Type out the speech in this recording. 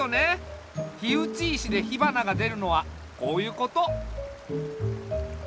火打ち石で火花がでるのはこういうこと。